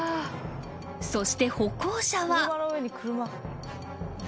［そして歩行者は］